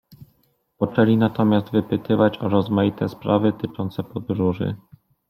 Poczęli natomiast wypytywać o rozmaite sprawy tyczące podróży.